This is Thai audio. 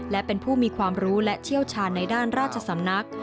และเป็นผู้มีความรู้และเชี่ยวชาญในด้านราชสำนัก